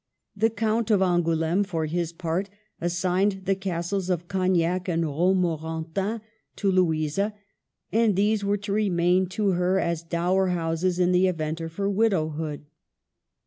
The Count of Angouleme, for his part, assigned the Castles of Cognac and Romorantin to Louisa, and these were to remain to her as dower houses in the event of her widowhood.